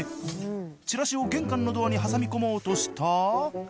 チラシを玄関のドアに挟み込もうとしたその時！